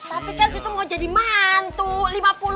tapi kan situ mau jadi mantu